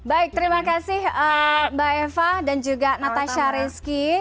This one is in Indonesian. baik terima kasih mbak eva dan juga natasha rizky